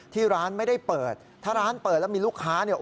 ที่ร้านไม่ได้เปิดถ้าร้านเปิดแล้วมีลูกค้าเนี่ย